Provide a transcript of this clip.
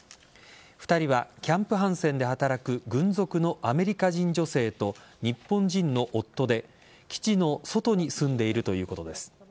２人はキャンプハンセンで働く軍属のアメリカ人女性と日本人の夫で基地の外に住んでいるということです。